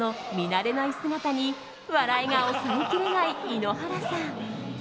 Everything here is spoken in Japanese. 慣れない姿に笑いが抑えきれない井ノ原さん。